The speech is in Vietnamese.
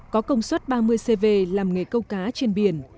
có công suất ba mươi cv làm nghề câu cá trên biển